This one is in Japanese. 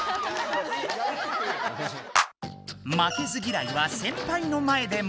負けず嫌いはセンパイの前でも。